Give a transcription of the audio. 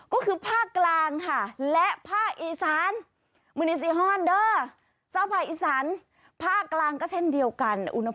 ก็คือภาคกลางค่ะ